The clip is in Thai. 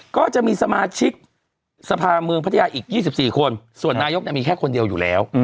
ก็จะมีสมาชิกสภาเมืองพัทยาอีก๒๔คนส่วนนายกมีแค่คนเดียวอยู่แล้ว